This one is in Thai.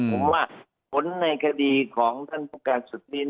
ผมว่าผลในคดีของท่านภูกษาสุดดี